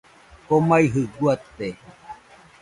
Komaijɨ guate